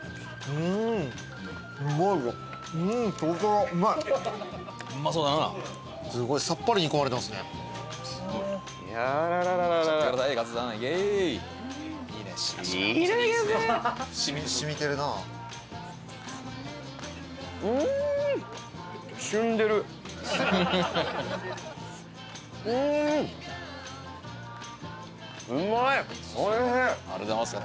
うーん！ありがとうございます。